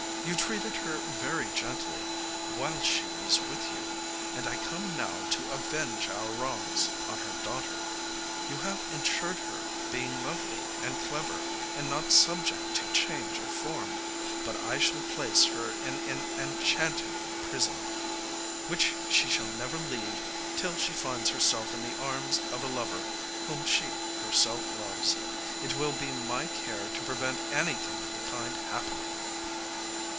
You treated her very gently whilst she was with you, and I come now to avenge our wrongs on her daughter. You have ensured her being lovely and clever, and not subject to change of form, but I shall place her in an enchanted prison, which she shall never leave till she finds herself in the arms of a lover whom she herself loves. It will be my care to prevent anything of the kind happening.